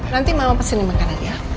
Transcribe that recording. nanti mama pesenin makanan ya